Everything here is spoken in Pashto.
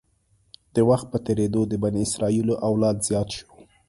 د وخت په تېرېدو د بني اسرایلو اولاد زیات شو.